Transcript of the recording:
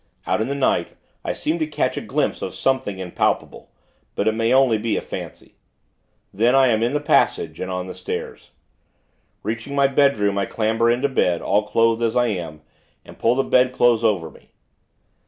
Out in the night, I seem to catch a glimpse of something impalpable; but it may be only a fancy. Then, I am in the passage, and on the stairs. Reaching my bedroom, I clamber into bed, all clothed as I am, and pull the bedclothes over me.